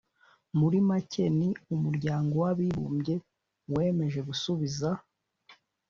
muri make ni umuryango w abibumbye wemeje gusubiza